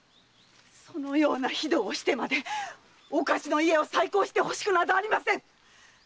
そのような非道をしてまで岡地の家を再興してほしくなどありません‼